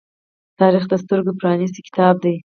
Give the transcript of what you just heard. تاریخ د سترگو پرانیستی کتاب دی.